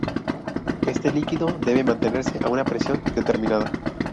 Este líquido debe mantenerse a una presión determinada.